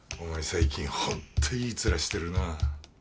最近ホンットいい面してるな。